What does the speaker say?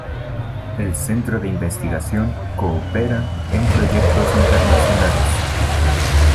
El centro de investigación coopera en proyectos internacionales.